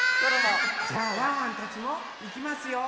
じゃあワンワンたちもいきますよ！